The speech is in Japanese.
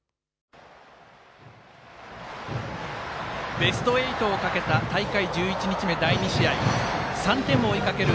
ベスト８をかけた大会１１日目、第２試合３点を追いかける